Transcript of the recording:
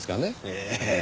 ええ。